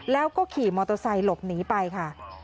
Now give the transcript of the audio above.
แล้วก็ขี่มอเตอร์ไซค์หลบหนีไปค่ะ